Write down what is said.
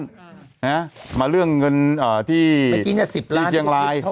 ใช่เดือนหนึ่งเนอะ